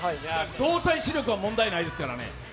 動体視力は問題ないですからね。